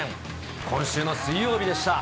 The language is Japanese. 今週の水曜日でした。